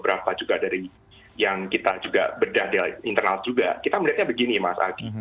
apa juga dari yang kita juga bedah internal juga kita melihatnya begini mas adi